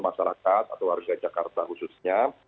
masyarakat atau warga jakarta khususnya